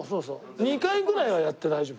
２回ぐらいはやって大丈夫。